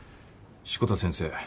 志子田先生